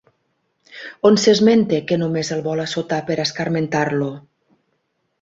On s'esmenta que només el vol assotar per escarmentar-lo?